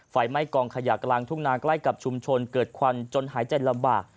ไฟไหม้กองขยะกลางทุ่งนาใกล้กับชุมชนเกิดควันจนหายใจลำบาก